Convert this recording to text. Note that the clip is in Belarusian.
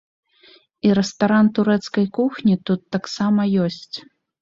І рэстаран турэцкай кухні тут таксама ёсць.